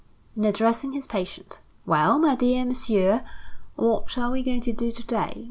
And addressing his patient: "Well, my dear Monsieur, what are we going to do to day?